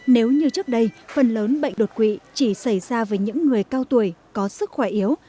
nếu như trước đây phần lớn bệnh đột quỵ chỉ xảy ra với những người cao tuổi có sức khỏe yếu